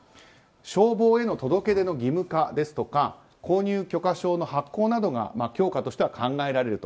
消防への届け出の義務化ですとか購入許可証の発行などが強化としては考えられると。